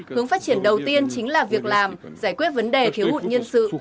hướng phát triển đầu tiên chính là việc làm giải quyết vấn đề thiếu hụt nhân sự